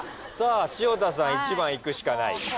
さあ潮田さん１番いくしかない。